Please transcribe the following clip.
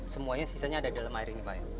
semuanya sisanya ada dalam air ini pak ya